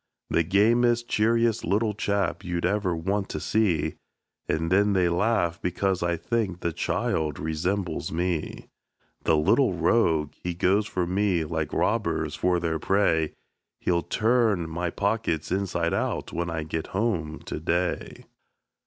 The gamest, cheeriest little chap, you'd ever want to see! And then they laugh, because I think the child resembles me. The little rogue! he goes for me, like robbers for their prey; He'll turn my pockets inside out, when I get home to day.